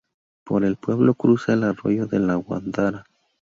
Por el pueblo cruza el arroyo de la Gándara.